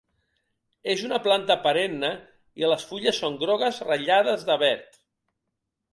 És una planta perenne i les fulles són grogues ratllades de verd.